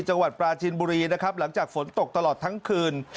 จังหวัดปราจินบุรีนะครับหลังจากฝนตกตลอดทั้งคืน